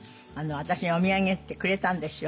私にお土産ってくれたんですよ。